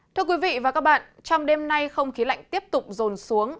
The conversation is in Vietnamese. thưa quý vị và các bạn trong đêm nay không khí lạnh tiếp tục rồn xuống